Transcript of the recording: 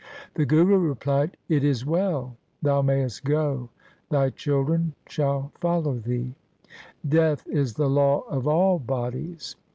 The Guru replied, ' It is well ; thou mayest go ; thy children shall follow thee. Death is the law of all bodies.